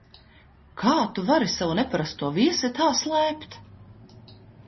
Kā tu vari savu neparasto viesi tā slēpt?